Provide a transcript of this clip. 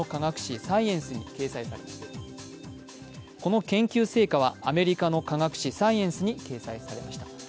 この研究成果はアメリカの科学誌「サイエンス」に掲載されました。